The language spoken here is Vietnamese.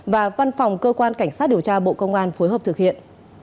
và văn phòng cơ quan cảnh sát điều tra bộ công an phối hợp thực hiện